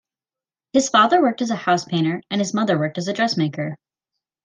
His father worked as a house painter, and his mother worked as a dressmaker.